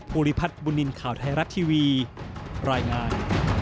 ภูริพัฒน์บุญนินทร์ข่าวไทยรัฐทีวีรายงาน